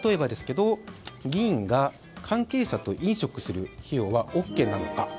例えば、議員が関係者と飲食する費用はＯＫなのか。